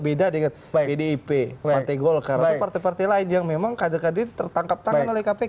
beda dengan pdip partai golkar atau partai partai lain yang memang kader kader tertangkap tangan oleh kpk